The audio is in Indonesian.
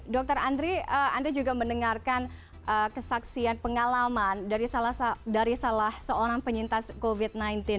dr andri anda juga mendengarkan kesaksian pengalaman dari salah seorang penyintas covid sembilan belas